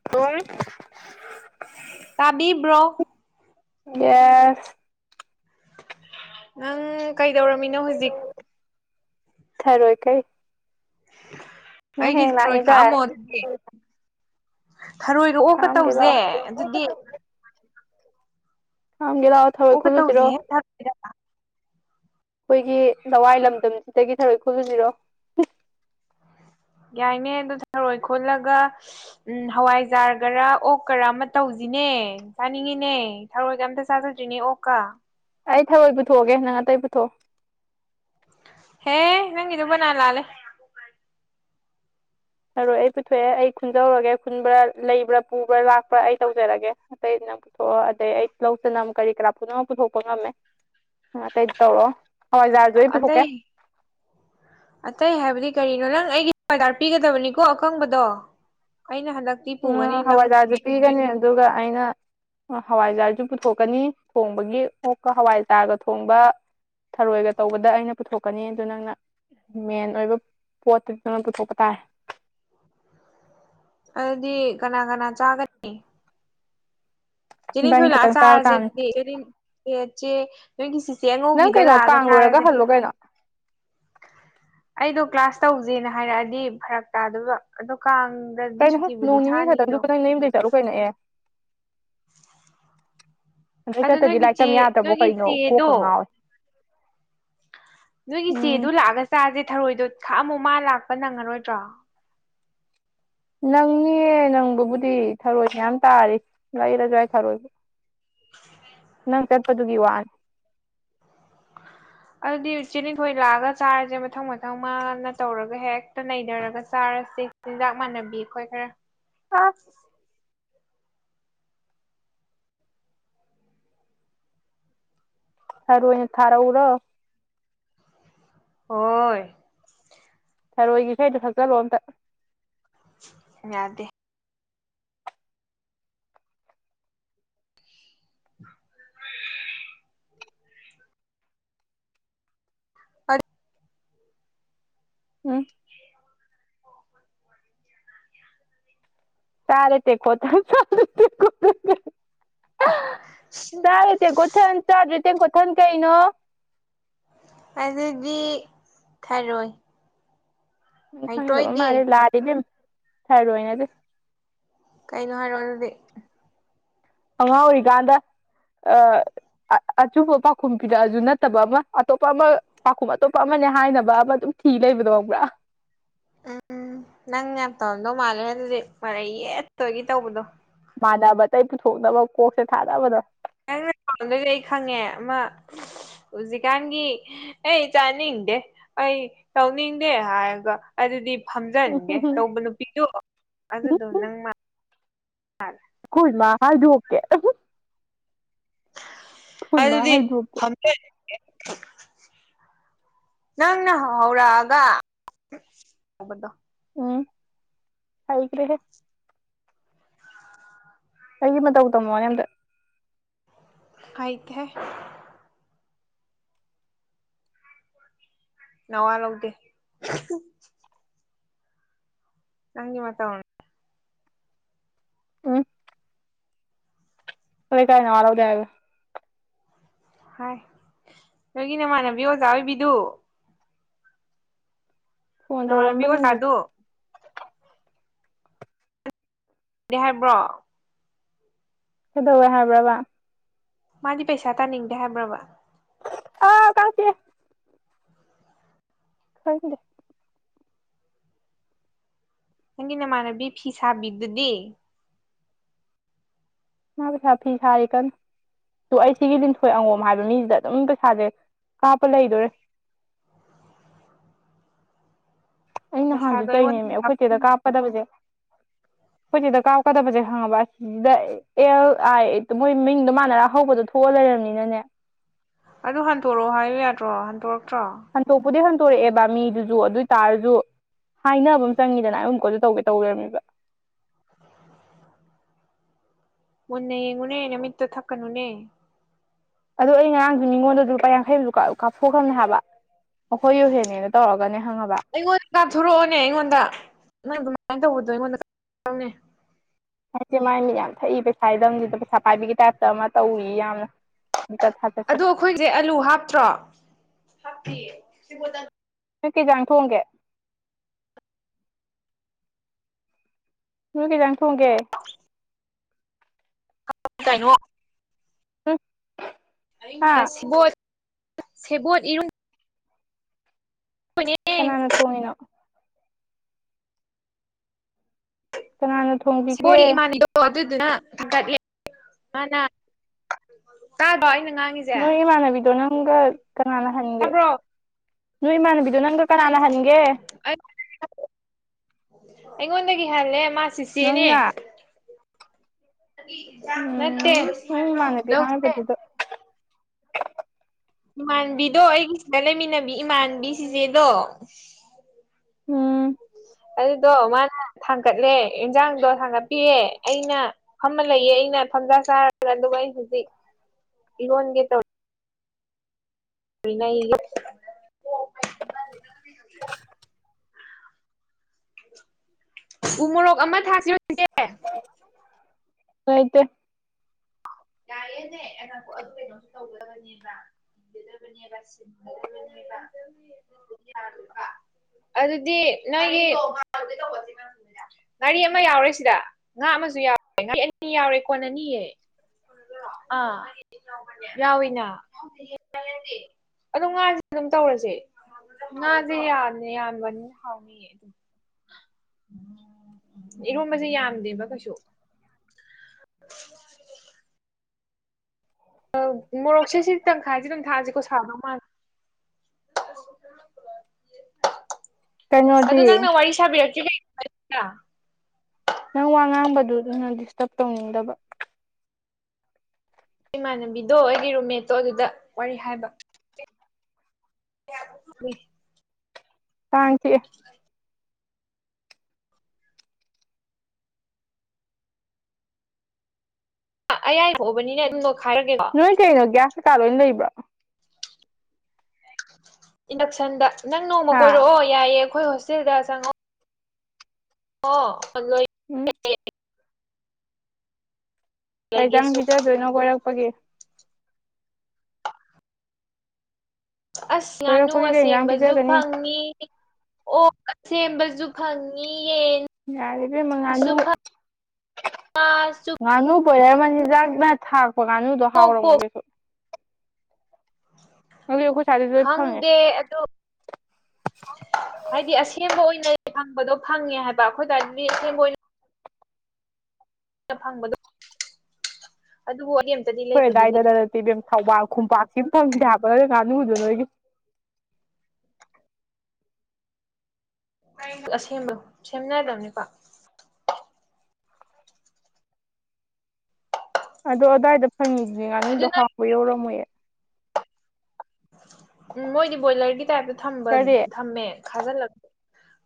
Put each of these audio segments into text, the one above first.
[unintelligible] ꯇꯥꯕꯤꯕ꯭ꯔꯣ ꯌꯦꯁ ꯅꯪ ꯀꯩꯗꯧꯔꯝꯃꯤꯅꯣ ꯍꯧꯖꯤꯛ ꯊꯔꯣꯏ ꯀꯛꯏ ꯑꯩꯒꯤ ꯊꯔꯣꯏ ꯈꯥꯛꯑꯝꯃꯣ ꯂꯥꯛꯅꯤꯗꯥꯏ ꯑꯗꯨꯗꯤ ꯊꯔꯣꯏ ꯑꯣꯛꯀ ꯈꯥꯛꯑꯝꯒꯦ ꯇꯧꯖꯦ ꯂꯥꯛꯑꯣ ꯑꯗꯨꯗꯤ ꯈꯛꯑꯝꯒꯦ ꯂꯥꯛꯑꯣ ꯊꯔꯣꯏ ꯑꯣꯛꯀ ꯈꯨꯜꯂꯨꯁꯤꯔꯣ ꯇꯧꯁꯤꯍꯦ ꯊꯔꯣꯏꯒ ꯑꯩꯈꯣꯏꯒꯤ ꯂꯋꯥꯏ ꯂꯝꯗꯝꯁꯤꯗꯒꯤ ꯊꯔꯣꯏ ꯈꯣꯠꯂꯨꯁꯤꯔꯣ ꯌꯥꯏꯅꯦ ꯑꯗꯨ ꯊꯔꯣꯏ ꯈꯨꯜꯂꯒ ꯎꯝ ꯍꯋꯥꯏꯖꯥꯔꯒꯔꯥ ꯑꯣꯛꯀꯔꯥ ꯑꯃ ꯇꯧꯖꯤꯅꯦ ꯆꯥꯅꯤꯡꯉꯤꯅꯦ ꯊꯔꯣꯏꯒ ꯑꯝꯇ ꯆꯥꯖꯗ꯭ꯔꯤꯅꯦ ꯑꯣꯛ ꯀꯥ ꯑꯩ ꯊꯔꯣꯏ ꯄꯨꯊꯣꯛꯑꯒꯦ ꯅꯪ ꯑꯇꯩ ꯄꯨꯊꯣꯛꯑꯣ ꯍꯦ ꯅꯪꯒꯤꯗꯨ ꯕꯅꯥꯟ ꯂꯥꯜꯂꯦ ꯊꯔꯣꯏ ꯑꯩ ꯄꯨꯊꯣꯛꯑꯦ ꯑꯩ ꯈꯨꯟꯖꯧꯔꯒꯦ ꯈꯨꯟꯕ꯭ꯔꯥ ꯂꯩꯕ꯭ꯔꯥ ꯄꯨꯕ꯭ꯔꯥ ꯂꯥꯛꯄ꯭ꯔꯥ ꯑꯩ ꯇꯧꯖꯔꯒꯦ ꯑꯇꯩ ꯅꯪ ꯄꯨꯊꯣꯛꯑꯣ ꯑꯗꯩ ꯑꯩ ꯇꯤꯜꯂꯧ ꯆꯅꯝ ꯀꯔꯤ ꯀꯔꯥ ꯄꯨꯝꯅꯃꯛ ꯄꯨꯊꯣꯛꯄ ꯉꯝꯃꯦ ꯑꯇꯩꯗꯤ ꯇꯧꯔꯣ ꯍꯋꯥꯏꯖꯔꯖꯨ ꯑꯩ ꯄꯨꯊꯣꯛꯀꯦ ꯑꯇꯩ ꯑꯇꯩ ꯍꯥꯏꯕꯗꯤ ꯀꯔꯤꯅꯣ ꯅꯪ ꯑꯩꯒꯤ ꯑꯣꯔꯗꯥꯔ ꯄꯤꯒꯗꯕꯅꯤꯀꯣ ꯑꯀꯪꯕꯗꯣ ꯑꯩꯅ ꯍꯟꯗꯛꯇꯤ ꯎꯝ ꯄꯨꯒꯅꯤ ꯅꯪ ꯍꯋꯥꯏꯖꯥꯔꯁꯨ ꯄꯤꯒꯅꯤ ꯑꯗꯨꯒ ꯑꯩꯅ ꯍꯋꯥꯏꯖꯥꯔꯁꯨ ꯄꯨꯊꯣꯛꯀꯅꯤ ꯊꯣꯡꯕꯒꯤ ꯑꯣꯛꯀ ꯍꯋꯥꯏꯖꯥꯔꯒ ꯊꯣꯡꯕ ꯊꯔꯣꯏꯒ ꯇꯧꯕꯗ ꯑꯩꯅ ꯄꯨꯊꯣꯛꯀꯅꯤ ꯑꯗꯨ ꯅꯪꯅ ꯃꯦꯟ ꯑꯣꯏꯕ ꯄꯣꯠꯇꯨꯅ ꯅꯪꯅ ꯄꯨꯊꯣꯛꯄ ꯇꯥꯔꯦ ꯑꯗꯨꯗꯤ ꯀꯅꯥ ꯀꯅꯥ ꯆꯥꯒ ꯆꯦ ꯏꯕꯥꯅꯤ ꯂꯤꯟꯊꯣꯏ ꯂꯛꯑꯒ ꯈꯛꯇꯪ ꯆꯥꯕ ꯆꯥꯔꯁꯦ ꯇꯥꯕꯅꯤ ꯑꯗꯨꯗꯤ ꯆꯦ ꯂꯤꯟ ꯆꯦ ꯅꯣꯏꯒꯤ ꯆꯤꯆꯦ ꯅꯪ ꯑꯉꯧꯕꯤꯗꯣ ꯀꯩꯅꯣ ꯂꯥꯛꯑꯒ ꯀꯥꯡ ꯂꯣꯏꯔꯒ ꯆꯥꯔꯖꯦ ꯍꯜꯂꯣ ꯀꯩꯅꯣ ꯑꯩꯗꯣ ꯀ꯭ꯂꯥꯁ ꯇꯧꯖꯦꯅ ꯍꯥꯏꯔꯛꯑꯗꯤ ꯐꯔꯛ ꯇꯥꯗꯣꯏꯕ ꯑꯗꯣ ꯀꯥꯡ ꯀꯩꯅꯣꯍꯦ ꯅꯣꯡ ꯅꯤꯅꯤ ꯈꯛꯇꯪꯗꯨ ꯅꯪ ꯅꯌꯨꯝꯗꯩ ꯆꯠꯂꯨ ꯀꯩꯅꯣ ꯑꯦ ꯑꯗꯨꯗ ꯑꯗꯣ ꯆꯠꯇꯗꯤ ꯅꯣꯏꯒꯤ ꯂꯥꯏꯔꯤꯛ ꯆꯦ ꯇꯝ ꯌꯥꯗ꯭ꯔꯕꯣ ꯅꯣꯏꯒꯤ ꯀꯩꯅꯣ ꯆꯦꯗꯣ ꯀꯣꯛꯀ ꯉꯥꯎꯋꯦ ꯅꯣꯏꯒꯤ ꯎꯝ ꯆꯦꯗꯨ ꯂꯥꯛꯑꯒ ꯆꯥꯁꯦ ꯊꯔꯣꯏꯗꯣ ꯈꯥꯛꯑꯝꯃꯣ ꯃꯥ ꯂꯥꯛꯄ ꯅꯪꯉꯔꯣꯏꯗ꯭ꯔꯣ ꯅꯪꯅꯤꯌꯦ ꯅꯪꯕꯕꯨꯗꯤ ꯊꯔꯣꯏ ꯃꯌꯥꯝ ꯇꯥꯔꯤ ꯂꯩꯔꯖꯨꯌꯥꯏ ꯊꯔꯣꯏꯕꯨ ꯅꯪ ꯆꯠꯄꯗꯨꯒꯤ ꯋꯥꯅꯤ ꯑꯗꯨꯗꯤ ꯆꯦ ꯂꯤꯟꯊꯣꯏ ꯂꯥꯛꯑꯒ ꯆꯥꯔꯁꯦ ꯃꯊꯪ ꯃꯊꯪ ꯃꯥꯅ ꯇꯧꯔꯒ ꯍꯦꯛꯇ ꯅꯩꯗꯥꯔꯒ ꯆꯥꯔꯁꯦ ꯆꯤꯟꯖꯥꯛ ꯃꯥꯟꯅꯕꯤ ꯑꯩꯈꯣꯏ ꯈꯔ ꯑꯥ ꯊꯔꯣꯏꯅ ꯊꯔꯛꯎꯔꯣ ꯍꯣꯏ ꯊꯔꯣꯏꯒꯤ ꯏꯁꯩꯗꯣ ꯁꯛꯆꯜꯂꯣ ꯑꯝꯇ ꯌꯥꯗꯦ [inaudible] [inaudible] [inaudible] ꯆꯥꯔꯦ ꯇꯦꯡꯀꯣꯠꯊꯟ ꯆꯥꯗ꯭ꯔꯦꯊꯟ ꯇꯦꯡꯀꯣꯠꯊꯟ ꯆꯥꯗ꯭ꯔꯦ ꯇꯦꯡꯀꯣꯠꯊꯟ ꯀꯩꯅꯣ ꯑꯗꯨꯗꯤ ꯊꯥꯔꯣꯏ ꯈꯪꯗꯕ ꯃꯥꯜꯂꯦ ꯂꯥꯜꯂꯤ ꯏꯕꯦꯝꯃꯥ ꯊꯔꯣꯏ ꯅꯠꯇꯦ ꯀꯩꯅꯣ ꯍꯥꯏꯔꯣ ꯑꯗꯨꯗꯤ ꯑꯉꯥꯡ ꯑꯣꯏꯔꯤꯀꯥꯟꯗ ꯑ ꯑ ꯑꯆꯨꯝꯕ ꯄꯥꯎꯈꯨꯝ ꯄꯤꯔꯛꯑꯁꯨ ꯅꯠꯇꯕ ꯑꯃ ꯑꯇꯣꯞꯄ ꯑꯃ ꯄꯥꯎꯈꯨꯝ ꯑꯇꯣꯞꯄ ꯑꯃꯅꯦ ꯍꯥꯏꯅꯕ ꯑꯃ ꯑꯗꯨꯝ ꯊꯤ ꯂꯩꯕꯗꯣ ꯈꯪꯕ꯭ꯔꯥ ꯎꯝ ꯅꯪ ꯌꯥꯝ ꯇꯧꯔꯝꯗꯧ ꯃꯥꯜꯂꯦ ꯑꯗꯨꯗꯤ ꯃꯔꯩ ꯌꯦꯠꯇꯣꯏꯒꯤ ꯇꯧꯕꯗꯣ ꯃꯥꯟꯅꯕ ꯑꯇꯩ ꯄꯨꯊꯣꯛꯅꯕ ꯀꯣꯛꯁꯦ ꯊꯥꯗꯕꯗ ꯅꯪꯅ [unintelligible] ꯑꯩ ꯈꯪꯉꯦ ꯑꯃ ꯍꯧꯖꯤꯛꯀꯥꯟꯒꯤ ꯑꯩ ꯆꯥꯅꯤꯡꯗꯦ ꯑꯩ ꯇꯧꯅꯤꯡꯗꯦ ꯍꯥꯏꯒ ꯑꯗꯨꯗꯤ ꯐꯝꯖꯟꯒꯦ ꯇꯧꯕ ꯅꯨꯄꯤꯗꯨ ꯑꯗꯨꯗꯣ ꯅꯪ ꯈꯣꯏꯃꯥ ꯍꯥꯏꯗꯣꯛꯀꯦ ꯑꯩꯈꯣꯏ ꯃꯥ ꯑꯗꯨꯗꯤ ꯍꯥꯏꯗꯣꯛꯀꯦ [unintelligible] ꯅꯪꯅ ꯍꯧꯔꯛꯑꯒ ꯍꯧꯕꯗꯣ ꯎꯝ ꯍꯥꯏꯈ꯭ꯔꯦ ꯑꯩꯒꯤ ꯃꯇꯧ ꯇꯝꯃꯛꯑꯣꯅꯦ ꯑꯝꯇ ꯍꯥꯏ [unintelligible] ꯅꯋꯥ ꯂꯧꯗꯦ ꯅꯪꯒꯤ ꯃꯇꯧ ꯎꯝ ꯑꯈꯣꯏ ꯂꯩꯀꯥꯏꯅ ꯅꯋꯥ ꯂꯧꯗꯦ ꯍꯥꯏꯕꯩ ꯍꯥꯏ ꯅꯪꯒꯤ ꯅꯃꯥꯟꯅꯕꯤ ꯑꯣꯖꯥ ꯑꯣꯏꯕꯤꯗꯨ ꯐꯣꯟ ꯅꯃꯥꯟꯅꯕꯤ ꯇꯧꯔꯛꯑꯝꯕꯅꯦ ꯍꯧꯖꯤꯛ ꯑꯣꯖꯥꯗꯨ ꯗꯤ ꯍꯥꯏꯕ꯭ꯔꯣ ꯀꯩꯗꯧꯋꯦ ꯍꯥꯏꯕ꯭ꯔꯕ ꯃꯥꯗꯤ ꯄꯩꯁꯥ ꯇꯥꯟꯅꯤꯡꯗꯦ ꯍꯥꯏꯕ꯭ꯔꯕ ꯑ ꯀꯥꯞꯄꯦ ꯈꯪꯗꯦ ꯅꯪꯒꯤ ꯅꯃꯥꯟꯅꯕꯤ ꯐꯤ ꯁꯥꯕꯤꯗꯨꯗꯤ ꯃꯥꯁꯨ ꯁ ꯐꯤ ꯁꯥꯔꯤ ꯀꯟꯅ ꯇꯨ ꯑꯩ ꯁꯤꯒꯤ ꯂꯤꯟꯊꯣꯏ ꯑꯉꯣꯝ ꯍꯥꯏꯕ ꯃꯤꯁꯤꯗ ꯑꯗꯨꯝ ꯄꯩꯁꯥꯁꯦ ꯀꯥꯞꯄ ꯂꯩꯗꯣꯔꯦ ꯑꯩ ꯅꯍꯥꯟꯁꯨ ꯄꯩꯁꯥꯗꯣ ꯑꯩꯉꯣꯟꯗ ꯇꯧꯏꯅꯦꯃꯤ ꯑꯩꯈꯣꯏ ꯆꯦꯗ ꯍꯥꯞꯄꯤꯔꯛꯑꯣ ꯀꯥꯞꯀꯗꯕꯁꯦ ꯑꯩꯈꯣꯏ ꯆꯦꯗ ꯀꯥꯞꯀꯗꯕꯁꯦ ꯈꯪꯉꯕ ꯗ ꯑꯦꯜ ꯑꯥꯏ ꯃꯣꯏ ꯃꯤꯡꯗꯣ ꯃꯥꯟꯅꯔ ꯑꯍꯧꯕꯗꯣ ꯊꯣꯛꯑ ꯂꯩꯔꯃꯤꯅꯅꯦ ꯑꯗꯨ ꯍꯟꯗꯣꯔꯛꯑꯣ ꯍꯥꯏꯌꯨ ꯌꯥꯗ꯭ꯔꯣ ꯍꯟꯗꯣꯔꯛꯇ꯭ꯔꯣ ꯍꯟꯇꯣꯛꯄꯨꯗꯤ ꯍꯟꯇꯣꯔꯛꯑꯦꯕ ꯃꯤꯗꯨꯁꯨ ꯑꯗꯨꯏꯇꯥꯥꯔꯁꯨ ꯍꯥꯏꯅꯕ ꯑꯃ ꯆꯪꯉꯤꯗꯅ ꯑꯩ ꯑꯃꯨꯀꯁꯨ ꯇꯧꯒꯦ ꯇꯧ ꯂꯩꯔꯝꯃꯤꯕ ꯃꯨꯟꯅ ꯌꯦꯡꯉꯨꯅꯦꯅ ꯅꯃꯤꯠꯇꯣ ꯊꯛꯀꯅꯨꯅꯦ ꯑꯗꯣ ꯑꯩ ꯉꯔꯥꯡꯁꯨ ꯃꯤꯉꯣꯟꯗꯖꯨ ꯂꯨꯄꯥ ꯌꯥꯡꯈꯩꯃꯖꯨ ꯀꯥꯞ ꯀꯥꯞꯊꯣꯛꯈ꯭ꯔꯕꯅꯦ ꯍꯥꯏꯕ ꯑꯩꯈꯣꯏ ꯌꯨꯍꯦꯟꯅꯦꯅ ꯇꯧꯔꯒꯅꯦ ꯈꯪꯉꯕ ꯑꯩꯉꯣꯟꯗ ꯀꯥꯞꯊꯣꯔꯛꯑꯣꯅꯦ ꯑꯩꯉꯣꯟꯗ ꯅꯪ ꯑꯗꯨꯃꯥꯏꯅ ꯇꯧꯕꯗꯣ ꯑꯩꯉꯣꯟꯗ ꯅꯦ ꯅꯪꯁꯦ ꯃꯥꯏ ꯃꯤꯠ ꯌꯥꯝ ꯊꯛꯏ ꯄꯩꯁꯥ [unintelligible] ꯄꯩꯁꯥ ꯄꯥꯏꯕꯤꯒꯤ ꯇꯥꯏꯞꯇ ꯑꯃ ꯇꯧꯔꯤ ꯌꯥꯝꯅ [unintelligible] ꯑꯗꯣ ꯑꯩꯈꯣꯏꯁꯦ ꯑꯂꯨ ꯍꯥꯞꯇ꯭ꯔꯣ ꯅꯣꯏ ꯀꯩ ꯏꯟꯖꯥꯡ ꯊꯣꯡꯒꯦ ꯅꯣꯏ ꯀꯩ ꯏꯟꯖꯥꯡ ꯊꯣꯡꯒꯦ ꯀꯩꯅꯣ [unintelligible] ꯍꯥ [unintelligible] ꯁꯦꯕꯣꯠ ꯁꯦꯕꯣꯠ ꯏꯔꯣꯝ ꯀꯅꯥꯅ ꯊꯣꯡꯉꯤꯅꯣ ꯀꯥꯅꯥꯅ ꯊꯣꯡ [unintelligible] ꯏꯃꯥꯟꯅ [unintelligible] ꯑꯣ ꯑꯗꯨꯗꯨꯅ [unintelligible] ꯃꯥꯅ ꯇꯥꯗ꯭ꯔꯣ ꯑꯩꯅ ꯉꯥꯡꯉꯤꯁꯦ ꯅꯣꯏ ꯏꯃꯥꯟꯅꯕꯤꯗꯣ ꯅꯪꯒ ꯀꯅꯥꯅ ꯍꯟꯒꯦ ꯇꯥꯕ꯭ꯔꯣ ꯅꯣꯏ ꯏꯃꯥꯟꯅꯕꯤꯗꯣ ꯅꯪꯒ ꯀꯅꯥꯅ ꯍꯟꯒꯦ [unintelligible] ꯑꯩꯉꯣꯟꯗꯒꯤ ꯍꯜꯂꯦ ꯃꯥ ꯆꯤꯆꯦꯅꯦ ꯅꯪꯅ [unintelligible] ꯅꯠꯇꯦ ꯎꯝ ꯅꯪ ꯏꯃꯥꯟꯅꯕꯤ ꯂꯧꯁꯦ ꯍꯥꯏꯕꯗꯨꯗ ꯏꯃꯥꯟꯕꯤꯗꯣ ꯑꯩꯒꯤ ꯁꯤꯗ ꯂꯩꯃꯤꯟꯅꯕꯤ ꯏꯃꯥꯟꯕꯤ ꯆꯤꯆꯦꯗꯣ ꯎꯝ ꯑꯗꯨꯗꫭ ꯃꯥꯅ ꯊꯥꯡꯒꯠꯂꯦ ꯏꯟꯖꯥꯡꯗꯣ ꯊꯥꯡꯒꯠꯄꯤꯌꯦ ꯑꯩꯅ ꯐꯝꯃ ꯂꯩꯌꯦ ꯑꯩꯅ ꯐꯝꯖꯥ ꯆꯥꯔꯒ ꯑꯗꯨꯒ ꯑꯩ ꯍꯧꯖꯤꯛ ꯏꯔꯣꯟꯒꯦ ꯇꯧꯔꯤ ꯔꯤꯅꯩꯑꯦ [unintelligible] ꯎ ꯃꯣꯔꯣꯛ ꯑꯃ ꯊꯥꯛꯑꯁꯤꯔꯣ [unintelligible] ꯂꯩꯇꯦ ꯌꯥꯏꯌꯦꯅꯦ ꯑ ꯉꯥꯏꯈꯣ ꯑꯗꯨ ꯀꯩꯅꯣꯁꯨ ꯇꯧꯒꯗꯕꯅꯤꯕ ꯏꯒꯗꯕꯅꯦꯕ [unintelligible] [unintelligible] ꯑꯗꯨꯗꯤ ꯅꯣꯏꯒꯤ ꯉꯥꯔꯤ ꯑꯃ ꯌꯥꯎꯔꯦ ꯁꯤꯗ ꯉꯥ ꯑꯃꯁꯨ ꯌꯥꯎꯔꯦ ꯉꯥꯔꯤ ꯑꯅꯤ ꯌꯥꯎꯔꯦ ꯀꯣꯟꯅꯅꯤꯌꯦ ꯑꯗꯨꯔꯣ ꯑꯥ [unintelligible] [unintelligible] ꯌꯥꯎꯋꯤꯅꯥ ꯑꯗꯨꯝ ꯉꯥꯁꯦ ꯑꯗꯨꯝ ꯇꯧꯔꯁꯦ [unintelligible] ꯉꯥꯖꯦ ꯌꯥꯝꯅ ꯌꯥꯟꯕꯅꯤꯅ ꯍꯥꯎꯅꯤꯌꯦ ꯏꯔꯣꯝꯕꯖꯦ ꯌꯥꯝꯗꯦꯕ ꯀꯩꯁꯨ ꯑ ꯃꯣꯔꯣꯛꯁꯦ ꯁꯤ ꯇꯪꯈꯥꯏꯖꯤ ꯑꯗꯨꯝ ꯊꯥꯛꯑꯖꯤꯀꯣ ꯁꯥꯗꯧ ꯃꯥꯜꯂꯦ ꯑꯗꯨ ꯀꯩꯅꯣꯗꯤ ꯅꯪꯅ ꯋꯥꯔꯤ ꯁꯥꯕꯤꯔꯛ꯭ꯇꯔꯤ [unintelligible] ꯅꯪ ꯋꯥ ꯉꯥꯡꯕꯗꯨꯗ ꯗꯤꯁꯇ꯭ꯔꯕ ꯇꯧꯅꯤꯡꯗꯕ ꯏꯃꯥꯟꯅꯕꯤꯗꯣ ꯑꯩꯒꯤ ꯔꯨꯝꯃꯦꯠꯇꯣ ꯑꯗꯨꯗ ꯋꯥꯔꯤ ꯍꯥꯏꯕ [unintelligible] ꯀꯥꯡ ꯆꯤꯛꯑꯦ ꯑ ꯑꯌꯥꯏꯊꫭꯛ ꯑꯕꯅꯤꯅꯦ ꯑꯗꯨꯝ ꯅꫭꯈꯥꯏꯒꯔꯒꯦꯀꯣ ꯅꯣꯏ ꯀꯩꯅꯣ ꯒ꯭ꯌꯥꯁ ꯀꯩꯀꯥ ꯂꯣꯏ ꯂꯩꯕ꯭ꯔꫭ ꯏꯟꯗꯛꯁꯟꯗ ꯅꯪ ꯅꯣꯡꯃ ꯍꯥ ꯀꯣꯏꯔꯛꯑꯣ ꯌꯥꯏꯌꯦ ꯑꯩꯈꯣꯏ ꯍꯣꯁꯇꯦꯜꯗ ꯆꯪꯉꯛꯑꯣ ꯑꯣ ꯍꯜꯂꯣꯏ ꯎꯝ ꯀꯩꯖꯥꯡ ꯂꯩꯒꯦꯁꯨ ꯄꯤꯖꯗꯣꯏꯅꯣ ꯀꯣꯏꯔꯛꯄꯒꯤ ꯑꯁ ꯉꯥꯅꯨ ꯀꯣꯏꯔꯛꯄꯒꯤ ꯀꯩ ꯏꯟꯖꯥꯡ ꯑꯁꯦꯡꯕꯖꯨ ꯄꯤꯖꯒꯅꯤ ꯐꯪꯉꯤ ꯑꯣꯛ ꯑꯁꯦꯝꯕꯖꯨ ꯐꯪꯉꯤ ꯌꯦꯟ ꯌꯥꯔꯦ ꯏꯕꯦꯝꯃ ꯉꯥꯅꯨ ꯐꯥꯁꯨ ꯉꯥꯅꯨ ꯈꯣꯏꯔꯝꯃꯅꯤꯖꯥꯛ ꯅꯪꯅ ꯊꯥꯛꯄ ꯉꯥꯅꯨꯗꯣ ꯄꯣꯛ ꯍꯥꯎꯔꯝꯃꯣꯏ ꯄꯣꯛ ꯀꯩꯁꯨ ꯑꯗꯨꯗꯤ ꯑꯩꯈꯣꯏ ꯁꯥꯥꯏꯗꯁꯨ ꯂꯣꯏ ꯐꯪꯉꯦ ꯑꯦ ꯑꯗꯨ [inaudible] [unintelligible] ꯍꯥꯏꯗꯤ ꯑꯁꯦꯡꯕ ꯑꯣꯏꯅ ꯐꯪꯕꯗꯣ ꯐꯪꯉꯦ ꯍꯥꯏꯕ ꯑꯩꯈꯣꯏ ꯑꯗꯨꯋꯥꯏꯗꯗꯤ ꯑꯁꯦꯝꯕ ꯐꯪꯕꯗꫭ ꯑꯗꯨꯕꯨ ꯋꯥꯔꯤ ꯑꯝꯇꯗꯤ ꯑꯈꯣꯏ ꯑꯗꯥꯏꯗ ꯅꯠꯇꯦ ꯏꯕꯦꯝ ꯊꯧꯕꯥꯜ ꯈꯨꯟꯄꯥꯛꯁꯤꯃ ꯐꯪꯗꯦ ꯍꯥꯏꯕ ꯉꯥꯅꯨꯗꫭ ꯅꫭꯏꯒꯤ ꯑꯁꯦꯝꯕ ꯁꯦꯝꯅꯗꯕꯅꯤꯀꯣ ꯑꯗꯣ ꯑꯗꯥꯏꯗ ꯐꯪꯉꯤꯗꯨꯗꯤ ꯑꯗꯨ ꯉꯥꯅꯨꯗꯣ ꯅꯣꯏ ꯍꯥꯎꯕ ꯌꯧꯔꯝꯃꯣꯏꯌꯦ ꯎꯝ ꯃꯣꯏꯗꯤ ꯕꯣꯏꯂꯔꯒꯤ ꯇꯥꯏꯞꯇ ꯊꯝꯕ ꯀꯔꯤ ꯊꯝꯃꯦ ꯈꯥꯖꯤꯜꯂ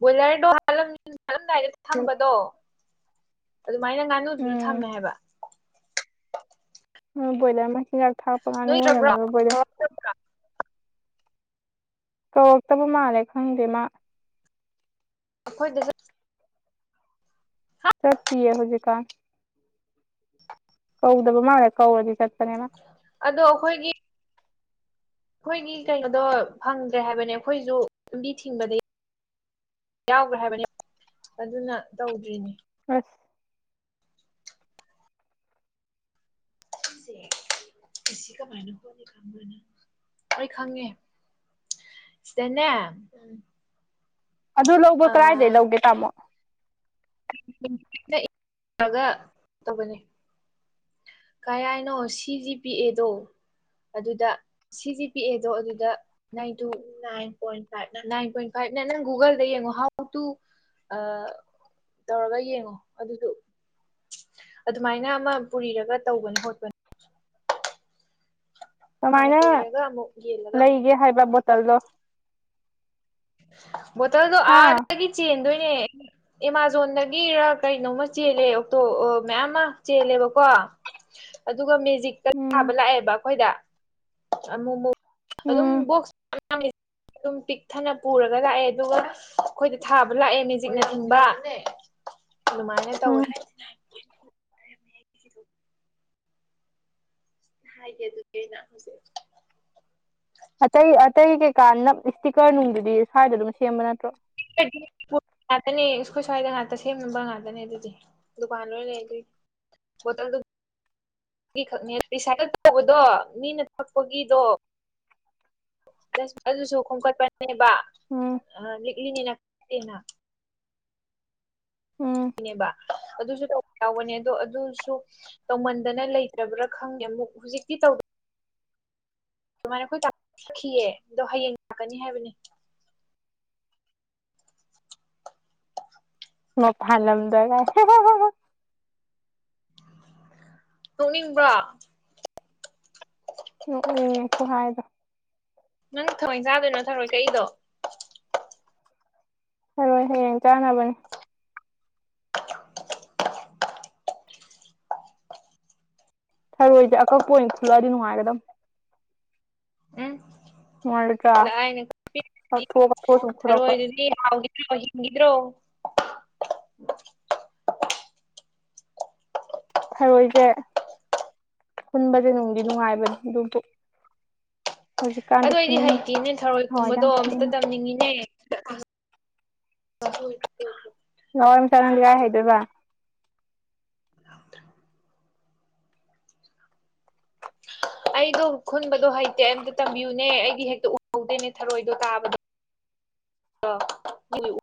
ꯕꯣꯏꯂꯔꯗꯣ ꯂꯝ ꯆꯠꯂꯝꯗꯥꯏꯗ ꯊꯝꯕꯗꯣ ꯑꯗꯨꯃꯥꯏꯅ ꯉꯥꯅꯨꯖꯨ ꯎꯝ ꯊꯝꯃꯦ ꯍꯥꯏꯕ ꯃꫭꯏ ꯕꫭꯏꯂꯔ ꯃꯆꯤꯟꯖꯥꯛ ꯊꯥꯛ ꯅꯣꯏꯗꯔꯕ꯭ꯔꯣ ꯑꫭ ꯀꯧꯔꯛꯇꯕ ꯃꯥꯜꯂꯦ ꯈꯪꯗꯦ ꯃꯥ ꯑꯩꯈꯣꯏꯗꯖꯨ ꯆꯛꯇꯤ ꯍꯧꯖꯤꯛꯀꯥ ꯀꯧꯗꯕ ꯃꯜꯂꯦ ꯀꯧꯔꯗꯤ ꯆꯠꯄꯅꯦꯅ ꯑꯗꯣ ꯑꯩꯈꯣꯏꯒꯤ ꯑꯩꯈꯣꯏꯒꯤ ꯀꯩꯅꯣꯗꯣ ꯐꯪꯗ꯭ꯔꯦ ꯍꯥꯏꯕꯅꯦ ꯑꯩꯈꯣꯏꯁꯨ ꯂꯝꯕꯤ ꯊꯤꯡꯕꯗꯒꯤ ꯌꯥꯎꯈ꯭ꯔꯦ ꯍꯥꯏꯕꯅꯤ ꯑꯗꯨꯅ ꯇꯧꯗ꯭ꯔꯤꯅꯦ ꯑꯁ ꯀꯃꯅ ꯍꯣꯅꯤꯒ ꯑꯩꯣꯏ ꯈꯪꯉꯦ ꯁꯤꯗꯅꯦ ꯑꯗꯨ ꯂꯧꯕ ꯀꯔꯥꯏꯗꯩ ꯂꯧꯒꯦ ꯇꯥꯃꯣ [inaudible] [unintelligible] ꯂꯒ ꯇꯧꯕꯅꯤ ꯀꯩ ꯍꯥꯏꯅꯣ ꯁꯤ ꯖꯤ ꯄꯤ ꯑꯦꯗꯣ ꯑꯗꯨꯗ ꯁꯤ ꯖꯤ ꯄꯤ ꯑꯦꯗꯣ ꯑꯗꯨꯗ nine two nine point five nine point ꯐꯥꯏꯚꯅ ꯅꯪ ꯒꯨꯒꯜꯗ ꯌꯦꯡꯉꯣ ꯍꯥꯎ ꯇꯨ ꯑ ꯇꯧꯔꯒ ꯌꯦꯡꯉꯣ ꯑꯗꯨꯁꯨ ꯑꯗꯨꯃꯥꯏꯅ ꯑꯃ ꯄꯨꯔꯤꯔꯒ ꯇꯧꯕꯅꯦ ꯍꯣꯠꯄꯅꯦ ꯍꯥꯟꯅ ꯀꯃꯥꯏꯅ ꯄꯨꯔꯤꯔꯒ ꯑꯃꯨꯛ ꯌꯦꯜꯂꯒ ꯑꯃꯨꯛ ꯂꯩꯒꯦ ꯍꯥꯏꯕ ꯕꯣꯇꯜꯗꯣ ꯕꯣꯇꯜꯗꯣ ꯍꯥ ꯑꯥꯗꯒꯤ ꯆꯦꯟꯗꯣꯏꯅꯦ ꯑꯦꯃꯥꯖꯣꯟꯗꯒꯤꯔ ꯀꯩꯅꯣꯝꯃ ꯆꯦꯜꯂꯦ ꯑꯣꯛꯇꯣ ꯃꯌꯥꯝ ꯑꯃ ꯆꯦꯜꯂꯦꯕꯀꯣ ꯑꯗꯨꯒꯦ ꯍꯧꯖꯤꯛꯇ ꯊꯥꯕ ꯎꯝ ꯂꯥꯛꯑꯦꯕ ꯑꯩꯈꯣꯏꯗ ꯑꯃ ꯑꯗꯨꯝ ꯎꯝ ꯕꯣꯛꯁ ꯑꯗꯨꯝ ꯄꯤꯛꯊꯅ ꯄꯨꯔꯒ ꯂꯥꯛꯑꯦ ꯑꯗꯨꯒ ꯑꯩꯈꯣꯏꯗ ꯊꯥꯕ ꯂꯥꯛꯑꯦ ꯃꯦꯖꯤꯛꯅꯆꯤꯡꯕ ꯑꯗꯨꯃꯥꯏꯅ ꯇꯧꯋꯦ ꯎꯝ ꯍꯥꯏꯒꯦ ꯑꯗꯨꯒꯤ ꯑꯩꯅ ꯍꯧꯖꯤꯛ ꯑꯇꯩ ꯑꯇꯩ ꯀꯩꯀꯥ ꯅꯞ ꯏꯁꯇꯤꯛꯀꯔ ꯅꯨꯡꯗꯨꯗꯤ ꯁ꯭ꯋꯥꯏꯗ ꯑꯗꯨꯝ ꯁꯦꯝꯕ ꯅꯠꯇ꯭ꯔꯣ ꯉꯥꯛꯇꯅꯦ ꯏꯁꯈꯣꯏ ꯁ꯭ꯋꯥꯏꯗ ꯉꯥꯛꯇ ꯁꯦꯝꯅꯕ ꯉꯥꯛꯇꯅꯦ ꯑꯗꯨꯗꯤ ꯗꯨꯀꯥꯟꯗ ꯂꯣꯢ ꯂꯩ ꯑꯗꯨꯢꯗꯤ ꯒꯤ ꯈꯛꯅꯦ ꯔꯤꯁꯥꯏꯀꯜ ꯇꯧꯕꯗꯣ ꯃꯤꯅ ꯊꯛꯄꯒꯤꯗꯣ ꯑꯗꯨꯁꯨ ꯈꯣꯝꯀꯠꯄꯅꯦꯕ ꯎꯝ ꯂꯤꯛꯂꯤꯅꯤꯅꯠꯇꯦꯅ ꯎꯝ ꯅꯦꯕ ꯑꯗꯨꯁꯨ ꯇꯧꯕ ꯌꯥꯎꯕꯅꯦ ꯑꯗꯣ ꯑꯗꯨꯁꯨ ꯇꯧꯃꯟꯗꯅ ꯂꯩꯇ꯭ꯔꯕ꯭ꯔꯥ ꯈꯪꯗꯦ ꯑꯃꯨꯛ ꯍꯧꯖꯤꯛꯇꯤ ꯇꯧ ꯑꯗꯨꯃꯥꯏꯅ ꯑꯩꯈꯣꯏ ꯇꯥꯛꯈꯤꯑ ꯑꯗꯣ ꯍꯌꯦꯡ ꯂꯥꯛꯀꯅꯤ ꯍꯥꯏꯕꯅꯦ ꯃ ꯐꯥꯅꯗꯒ ꯇꯣꯛꯅꯤꯡꯕ꯭ꯔꯥ ꯅꯣꯛꯅꯤꯡꯉꯦ ꯈꯨꯍꯥꯏꯗꯣ ꯅꯪ ꯊꯥꯡꯟ [inaudible] ꯆꯥꯗꯣꯏꯅꯣ ꯊꯧꯔꯣꯏ ꯀꯩꯗꯣ ꯊꯔꯣꯏ ꯍꯌꯦꯡ ꯆꯥꯅꯕꯅꯤ ꯊꯔꯣꯏꯁꯦ ꯑꯀꯛꯄ ꯑꯣꯏꯅ ꯈꯨꯂꯛꯑꯗꯤ ꯅꯨꯡꯉꯥꯏꯀꯗꯧ ꯎꯝ ꯅꯨꯡꯉꯥꯏꯔꯣꯏꯗ꯭ꯔꯥ ꯑꯗ ꯑꯩꯅ ꯀꯛꯊꯣꯛ ꯀꯛꯊꯣꯛꯑ ꯁꯨꯝ ꯈꯨꯜꯂꯛꯄ ꯊꯔꯣꯏꯗꯨꯗꯤ ꯍ [inaudible] ꯍꯤꯡꯕꯨ ꯍꯤꯡꯈꯤꯗ꯭ꯔꯣ ꯊꯔꯣꯏꯁꯦ ꯈꯨꯟꯕꯁꯦ ꯅꯨꯡꯗꯤ ꯅꯨꯡꯉꯥꯏꯕꯅꯤ ꯑꯗꯨꯕꯨ ꯍꯧꯖꯤꯛꯀꯥꯟꯗꯤ ꯑꯗꯨ ꯑꯩꯗꯤ ꯈꯨꯅꯤꯡꯗ꯭ꯔꯦ ꯍꯩꯇꯦꯅꯦ ꯊꯔꯣꯏ ꯍꯋꯥꯏꯗꯣ ꯀꯨꯝꯕꯗꯣ ꯌꯥꯝ ꯑꯃꯨꯛꯇ ꯈꯨꯅꯤꯡꯉꯦ ꯇꯝꯅꯤꯡꯉꯤꯅꯦ ꯃ ꯏ [inaudible] ꯂꯥꯋꯥꯢ ꯃꯆꯥ ꯅꯪꯗꯤ ꯀꯥꯢ ꯍꯩꯗꯨꯏꯕ [inaudible] ꯑꯩꯗꯣ ꯈꯨꯟꯕꯗꯣ ꯍꯩꯇꯦ ꯑꯝꯇ ꯇꯝꯕꯤꯌꯨꯅꯦ ꯑꯩꯗꯤ ꯍꯦꯛꯇ ꯎꯍꯧꯗꯦꯅꯦ ꯊꯔꯣꯏꯗꯣ ꯇꯥꯕꯗꯣ ꯑ [inaudible]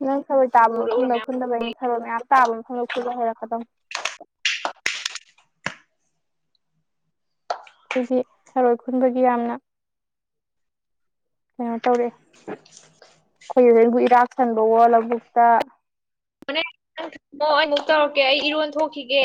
ꯅꯪ ꯊꯔꯣꯏ ꯇꯥꯕ ꯃꯐꯝꯗ ꯈꯨꯟꯗꯕꯩ ꯅꯪ ꯁꯔꯣꯏ ꯃꯌꯥꯝ ꯇꯥꯕ ꯃꯐꯝꯗ ꯈꯨꯟꯕ ꯍꯩꯔꯛꯀꯗꯕꯅꯤ ꯑꯩꯈꯣꯏꯒꯤ ꯊꯔꯣꯏ ꯈꯨꯟꯕꯒꯤ ꯌꯥꯝꯅ ꯀꯩꯅꯣ ꯇꯧꯔꯛꯑꯦ ꯏꯔꯥꯛ ꯁꯟꯕꯋꯣ ꯂꯧꯕꯨꯛꯇ ꯍꯣꯔꯦꯡ ꯑꯩ ꯑꯃꯨꯛ ꯇꯧꯔꯛꯀꯦ ꯑꯩ ꯏꯔꯣꯟ ꯊꯣꯛꯈꯤꯒꯦ